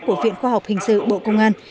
của viện khoa học hình sự bộ công an